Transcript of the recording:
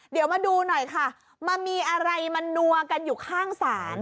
เดี๋ยวมาดูหน่อยค่ะมันมีอะไรมานัวกันอยู่ข้างศาล